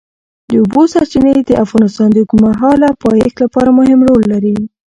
د اوبو سرچینې د افغانستان د اوږدمهاله پایښت لپاره مهم رول لري.